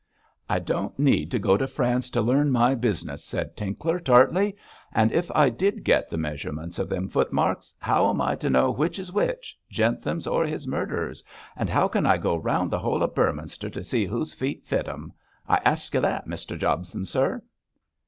'I don't need to go to France to learn my business,' said Tinkler, tartly, 'and if I did get the measurements of them footmarks, how am I to know which is which Jentham's or his murderer's? and how can I go round the whole of Beorminster to see whose feet fit 'em? I ask you that, Mr Jobson, sir.'